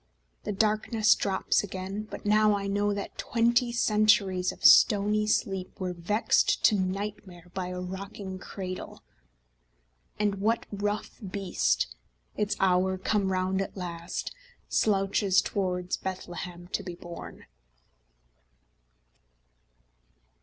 The darkness drops again but now I know That twenty centuries of stony sleep Were vexed to nightmare by a rocking cradle, And what rough beast, its hour come round at last, Slouches towards Bethlehem to be born?